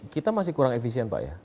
kita masih kurang efisien pak ya